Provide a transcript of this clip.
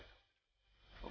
suara apa itu